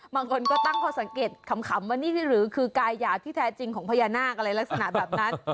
บางคนก็ตั้งข้อสังเกตขำว่านี่หรือคือกายหยาบที่แท้จริงของพญานาคอะไรลักษณะแบบนั้น